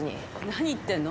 何言ってんの。